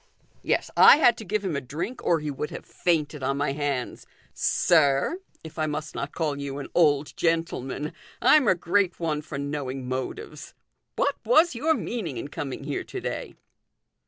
" Yes, I had to give him a drink, or he would have fainted on my hands. Sir if I must not call you an old gentleman I'm a great one for knowing motives. What was your meaning in coming here to day